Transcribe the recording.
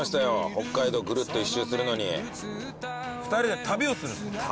北海道ぐるっと１周するのに二人で旅をする旅？